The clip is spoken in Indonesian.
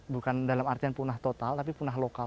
bukan dalam artian punah total tapi punah lokal